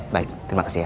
baik terima kasih ya